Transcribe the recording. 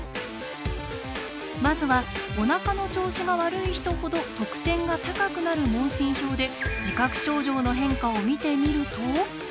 まずはお腹の調子が悪い人ほど得点が高くなる問診票で自覚症状の変化を見てみると。